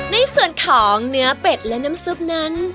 ในส่วนของเนื้อเป็ดและน้ำซุปนั้น